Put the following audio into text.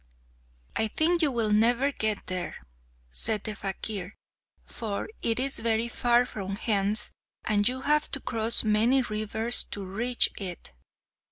"I think you will never get there," said the fakir, "for it is very far from hence, and you have to cross many rivers to reach it."